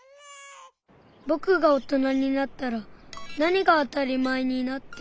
ぼくが大人になったらなにがあたりまえになってるんだろう？